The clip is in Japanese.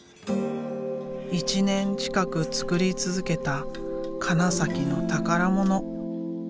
１年近く作り続けた金崎の宝物。